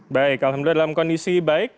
baik alhamdulillah dalam kondisi baik